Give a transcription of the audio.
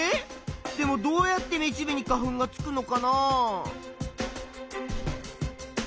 でもどうやってめしべに花粉がつくのかな？